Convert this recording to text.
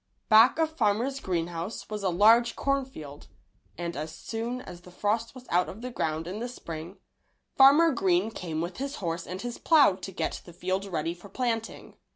Back of Farmer Greenes house was a large cornfield, and as soon as the frost was out of the ground in the Spring, Farmer Green came with his horse and his plow to get the field ready for planting.